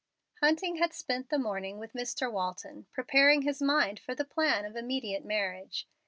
Hunting had spent the morning with Mr. Walton, preparing his mind for the plan of immediate marriage.